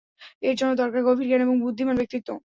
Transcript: এর জন্য দরকার গভীর জ্ঞান এবং বুদ্ধিমান ব্যক্তিত্ব।